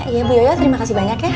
iya ibu yoyo terima kasih banyak ya